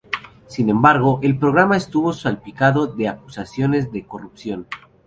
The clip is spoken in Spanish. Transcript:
Sin embargo, el programa estuvo salpicado de acusaciones de corrupción.